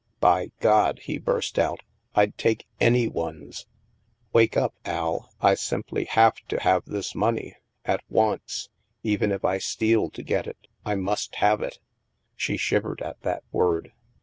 " By G d," he burst out, " Fd take any one's. Wake up, Al, I samply have to have this money, at once. Even if I steal to get it, I must have it." She shivered at that word.